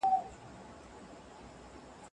هلک د انا شاته په پټه ولاړ و.